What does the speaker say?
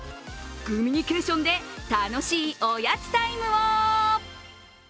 グミニケーションで楽しいおやつタイムを！